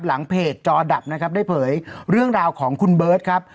หลังเพจจอดับนะครับได้เผยเรื่องราวของคุณเบิร์ตครับ